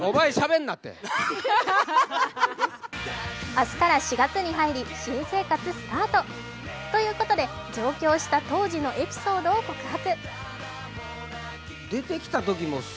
明日から４月に入り新生活スタート。ということで、上京した当時のエピソードを告白。